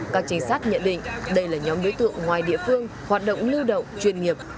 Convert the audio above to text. các trinh sát nhận định đây là nhóm đối tượng ngoài địa phương hoạt động lưu động chuyên nghiệp